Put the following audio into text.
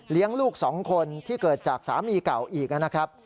เลี้ยงลูกสองคนที่เกิดจากสามีเก่าอีกนะครับ